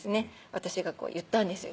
私が言ったんですよ